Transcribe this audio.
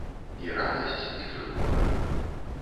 І радасць, і трывога.